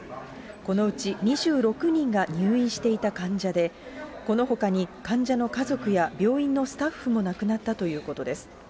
このうち２６人が入院していた患者で、このほかに患者の家族や病院のスタッフも亡くなったということです。